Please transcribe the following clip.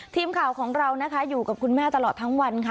ทีมข่าวของเรานะคะอยู่กับคุณแม่ตลอดทั้งวันค่ะ